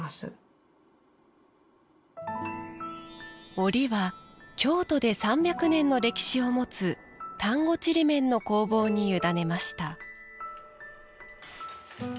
織りは、京都で３００年の歴史を持つ丹後ちりめんの工房に委ねました。